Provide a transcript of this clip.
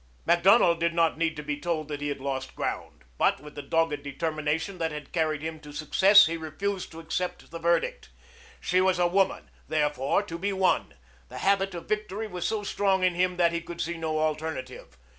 Macdonald did not need to be told that he had lost ground, but with the dogged determination that had carried him to success he refused to accept the verdict. She was a woman, therefore to be won. The habit of victory was so strong in him that he could see no alternative.